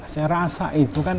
saya rasa itu kan